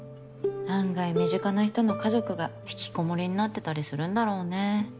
案外身近な人の家族が引きこもりになってたりするんだろうね。